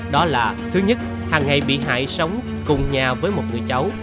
đó là thứ nhất hàng ngày bị hại sống cùng nhà với một người cháu